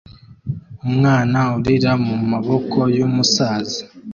Umwana urira mumaboko yumusaza